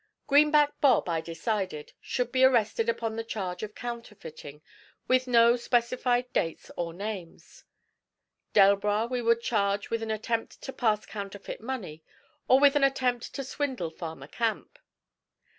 Greenback Bob, I decided, should be arrested upon the charge of counterfeiting, with no specified dates or names. Delbras we would charge with an attempt to pass counterfeit money, or with the attempt to swindle Farmer Camp.